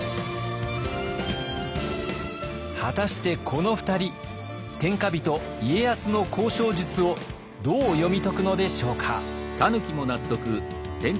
果たしてこの２人天下人家康の交渉術をどう読み解くのでしょうか？